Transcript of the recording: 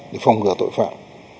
để phòng ngừa tội phạm